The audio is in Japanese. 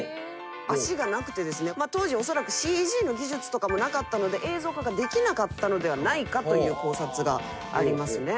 足がなくてですね当時おそらくＣＧの技術とかもなかったので映像化ができなかったのではないかという考察がありますね。